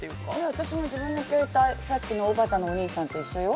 私も自分の携帯、さっきのおばたのお兄さんと一緒よ。